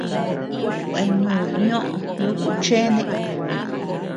Kueanúd ñoʼö nuku cheene.